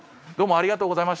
ありがとうございます。